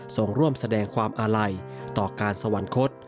ส่งร่วมแสดงความอาลัยต่อการสวรรคต